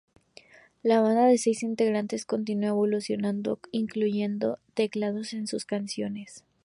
La banda de seis integrantes continuó evolucionando incluyendo teclados en sus canciones.